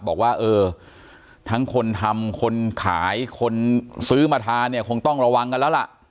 บอกว่าเออทั้งคนทำคนขายคนซื้อมาทานเนี่ยคงต้องระวังกันแล้วล่ะ